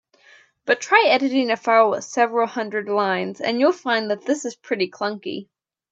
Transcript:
But try editing a file with several hundred lines, and you'll find that this is pretty clunky.